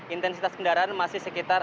intensitas kendaraan masih sekitar